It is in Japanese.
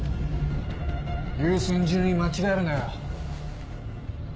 優先順位間違えるなよ。